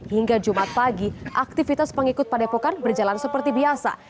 hingga jumat pagi aktivitas pengikut padepokan berjalan seperti biasa